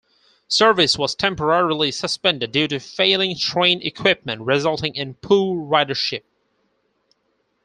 Service was "temporarily" suspended due to failing train equipment resulting in poor ridership.